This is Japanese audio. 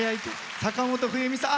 坂本冬美さん。